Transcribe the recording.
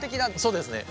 そうですね。